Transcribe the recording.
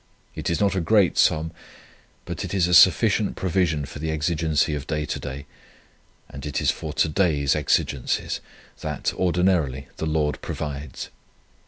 It is not a great sum, but it is a sufficient provision for the exigency of to day; and it is for to day's exigencies, that, ordinarily, the Lord provides.